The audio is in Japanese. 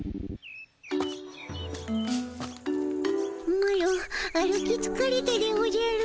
マロ歩きつかれたでおじゃる。